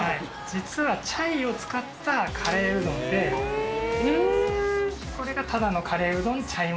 実はチャイを使ったカレーうどんで、これがただのカレーうどんチャイ